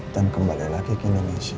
dan kembali lagi ke indonesia